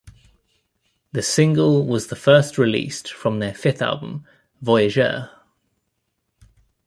The single was the first released from their fifth album, "Voyageur".